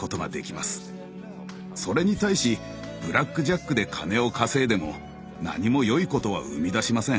それに対しブラックジャックで金を稼いでも何も良いことは生み出しません。